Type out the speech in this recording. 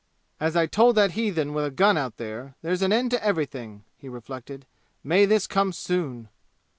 "As I told that heathen with a gun out there, there's an end to everything!" he reflected. "May this come soon!"